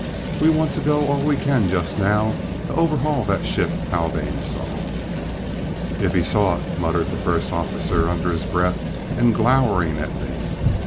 "We want to go all we can just now, to overhaul that ship Haldane saw." "If he saw it," muttered the first officer, under his breath and glowering at me.